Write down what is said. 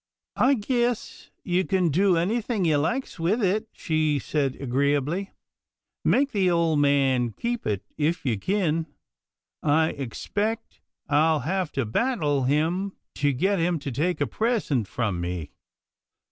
" I guess you kin do anythin' you likes with it," she said agreeably. " Make the ole man keep it, if you kin. I expec' I'll have to battle him to git him to take a present from me."